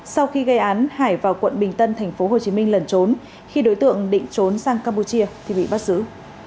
sau khi gây án hải vào quận bình tân tp hcm lần trốn khi đối tượng định trốn sang campuchia thì bị bắt giữ